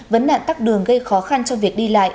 vấn nạn tắt đường gây khó khăn cho việc đi lại